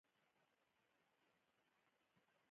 قومونه د افغانستان د صادراتو یوه ډېره مهمه او بنسټیزه برخه ده.